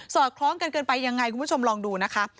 อดคล้องกันเกินไปยังไงคุณผู้ชมลองดูนะคะ